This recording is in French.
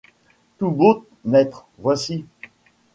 Tout beau, maître! voici.